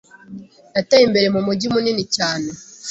Yateye imbere mu mujyi munini cyane.